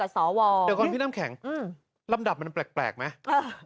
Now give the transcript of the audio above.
ส่วนพี่น้ำแข็งลำดับมันแปลกไหม